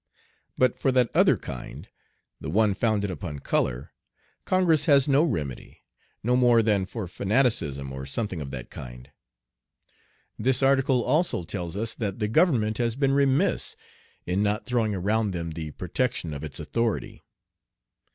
But for that other kind, "the one founded upon color," Congress has no remedy, no more than for fanaticism or something of that kind. This article also tells us that "the government has been remiss in not throwing around them the protection of its authority."